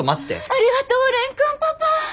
ありがとう蓮くんパパ！